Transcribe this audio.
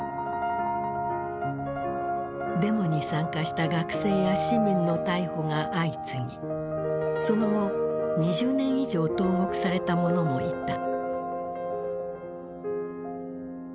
デモに参加した学生や市民の逮捕が相次ぎその後２０年以上投獄された者もいた。